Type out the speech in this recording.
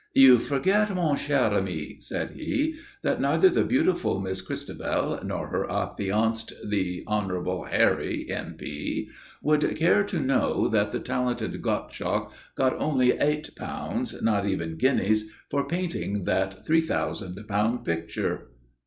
"You forget, mon cher ami," said he, "that neither the beautiful Miss Christabel nor her affianced, the Honourable Harry, M.P., would care to know that the talented Gottschalk got only eight pounds, not even guineas, for painting that three thousand pound picture."